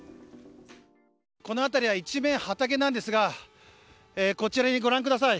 この辺りは一面畑なんですがこちら、ご覧ください。